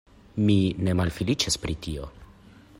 Mi ne malfeliĉas pri tio.